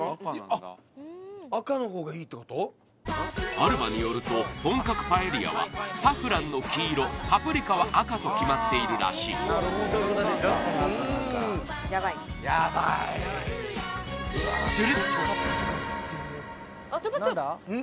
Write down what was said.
アルバによると本格パエリアはサフランの黄色パプリカは赤と決まっているらしいヤバいうん？